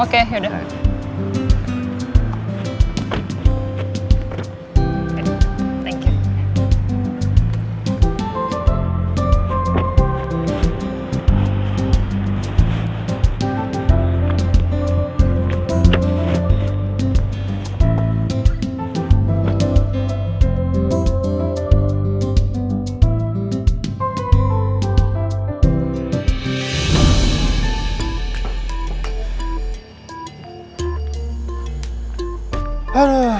oke ya udah